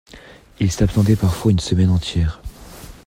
Il s’absentait parfois une semaine entière.